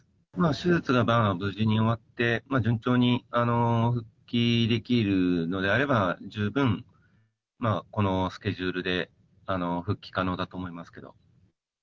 手術が無事終わって、順調に復帰できるのであれば、十分このスケジュールで、復帰可能だと思いますけど。